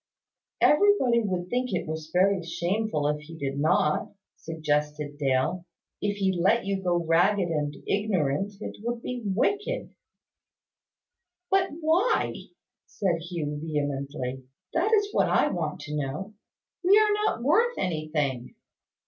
"Everybody would think it very shameful if he did not," suggested Dale. "If he let you go ragged and ignorant, it would be wicked." "But why?" said Hugh, vehemently. "That is what I want to know. We are not worth anything.